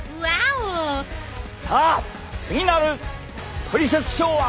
さあ次なる「トリセツショー」は！